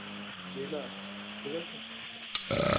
Relax, ঠিক আছে?